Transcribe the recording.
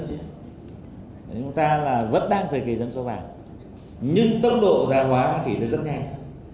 chúng ta vẫn đang thời kỳ dân số vàng nhưng tốc độ gia hóa chỉ rất nhanh